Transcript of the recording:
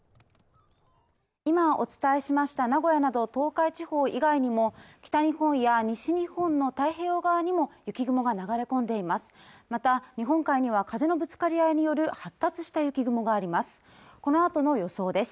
今お伝えしました名古屋など東海地方以外にも北日本や西日本の太平洋側にも雪雲が流れ込んでいます